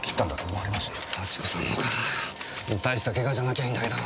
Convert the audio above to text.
大したケガじゃなきゃいいんだけど。